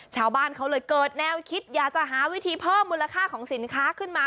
ชาวบ้านเขาเลยเกิดแนวคิดอยากจะหาวิธีเพิ่มมูลค่าของสินค้าขึ้นมา